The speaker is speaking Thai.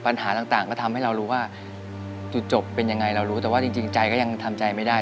จุดจบเป็นยังไงเรารู้แต่ว่าจริงใจก็ยังทำใจไม่ได้